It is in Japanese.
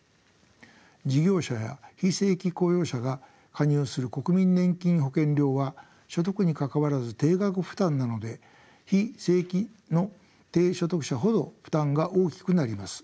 事業者や非正規雇用者が加入する国民年金保険料は所得にかかわらず定額負担なので非正規の低所得者ほど負担が大きくなります。